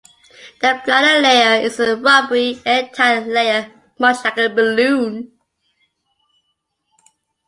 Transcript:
The bladder layer is a rubbery, airtight layer much like a balloon.